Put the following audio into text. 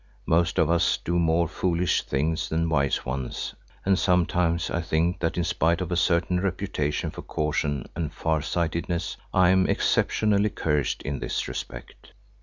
Most of us do more foolish things than wise ones and sometimes I think that in spite of a certain reputation for caution and far sightedness, I am exceptionally cursed in this respect.